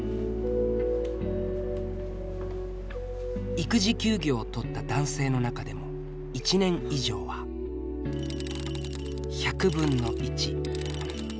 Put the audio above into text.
育児休業をとった男性の中でも１年以上は１００分の１。